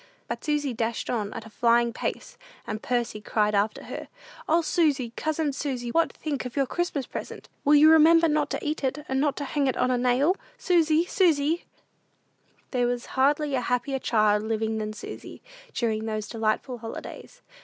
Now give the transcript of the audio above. But Susy dashed on at a flying pace, and Percy cried after her, "O, Susy, cousin Susy, what think of your Christmas present? Will you remember not to eat it, and not to hang it on a nail? Susy, Susy?" There was hardly a happier child living than Susy, during those delightful holidays.